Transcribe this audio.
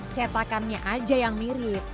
cetakannya aja yang mirip